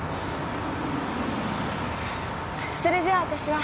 それじゃあ私は。